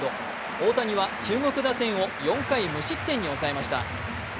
大谷は中国打線を４回無失点に抑えました。